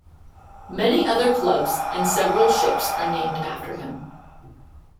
Many other clubs and several ships are named after him.